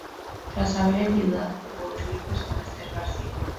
Tras haber enviudado tuvo ocho hijos con Esther García.